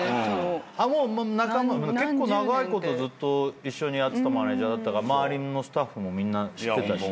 結構長いことずっと一緒にやってたマネジャーだったから周りのスタッフもみんな知ってたし。